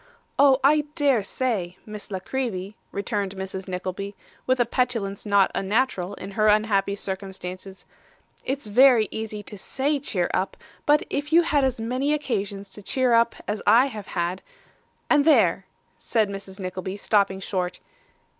'Oh I dare say, Miss La Creevy,' returned Mrs. Nickleby, with a petulance not unnatural in her unhappy circumstances, 'it's very easy to say cheer up, but if you had as many occasions to cheer up as I have had and there,' said Mrs. Nickleby, stopping short.